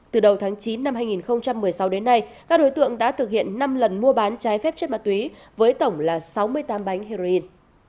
từ đầu tháng chín năm hai nghìn một mươi sáu đến nay các đối tượng đã thực hiện năm lần mua bán trái phép chất ma túy với tổng là sáu mươi tám bánh heroin